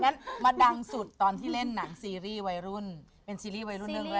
มาดังสุดตอนที่เล่นหนังซีรีส์วัยรุ่นเป็นซีรีส์วัยรุ่นเรื่องแรก